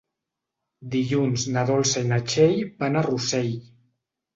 Dilluns na Dolça i na Txell van a Rossell.